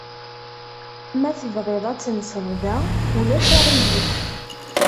Ma tebɣiḍ ad tenseḍ da, ulac aɣilif!